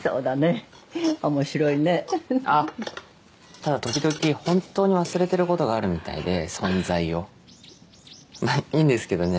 ただ時々本当に忘れてることがあるみたいで存在をまあいいんですけどね